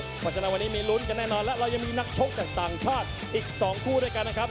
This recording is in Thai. เพราะฉะนั้นวันนี้มีลุ้นกันแน่นอนแล้วเรายังมีนักชกจากต่างชาติอีก๒คู่ด้วยกันนะครับ